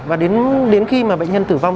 và đến khi mà bệnh nhân tử vong